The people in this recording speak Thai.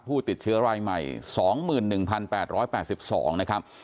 ผู้ติดเชื้อรายใหม่๒๑๘๘๒นะครับ